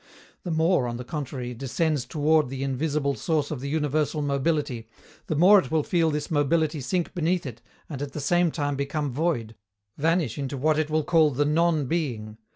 The more, on the contrary, it descends toward the invisible source of the universal mobility, the more it will feel this mobility sink beneath it and at the same time become void, vanish into what it will call the "non being."